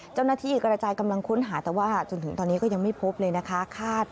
เจ้าหน้าที่กระจายกำลังค้นหาแต่ว่าจนถึงตอนนี้ก็ยังไม่พบเลยนะคะ